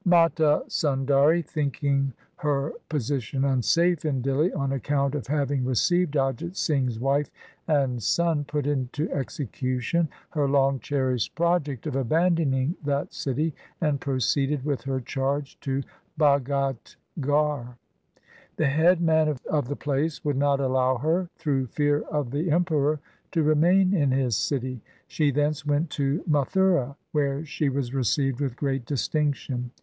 Mata Sundari, thinking her position unsafe in Dihli on account of having received Ajit Singh's wife and son, put into execution her long cherished project of abandoning that city and proceeded with her charge to Bhagatgarh. The head man of the place would not allow her, through fear of the Emperor, to remain in his city. She thence went to Mathura, where she was received with great distinc tion.